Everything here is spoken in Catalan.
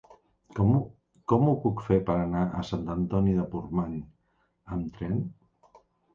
Com ho puc fer per anar a Sant Antoni de Portmany amb tren?